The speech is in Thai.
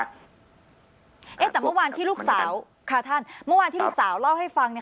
เมื่อวานที่ลูกสาวค่ะท่านเมื่อวานที่ลูกสาวเล่าให้ฟังเนี่ย